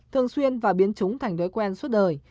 thường xuyên và biến chúng thành thói quen suốt đời